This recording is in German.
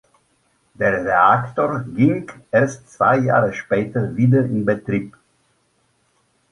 Der Reaktor ging erst zwei Jahre später wieder in Betrieb.